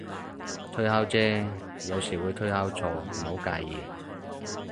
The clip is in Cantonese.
推敲啫，有時會推敲錯，唔好介意